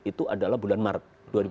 itu adalah bulan maret dua ribu tujuh belas